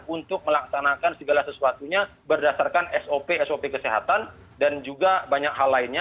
untuk melaksanakan segala sesuatunya berdasarkan sop sop kesehatan dan juga banyak hal lainnya